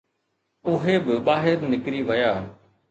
اهي به ٻاهر نڪري ويا.